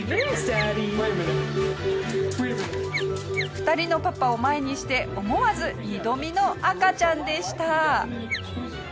２人のパパを前にして思わず二度見の赤ちゃんでした。